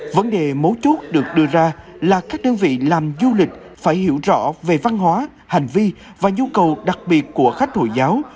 vấn đề mấu chốt được đưa ra là các đơn vị làm du lịch phải hiểu rõ về văn hóa hành vi và nhu cầu đặc biệt của khách hồi giáo